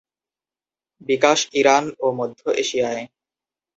বিকাশ Iran ও মধ্য এশিয়ায়।